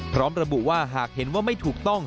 พร้อมระบุว่าหากเห็นว่าไม่ถูกต้อง